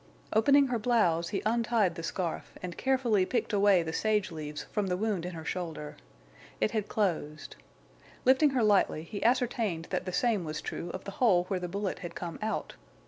Opening her blouse, he untied the scarf, and carefully picked away the sage leaves from the wound in her shoulder. It had closed. Lifting her lightly, he ascertained that the same was true of the hole where the bullet had come out.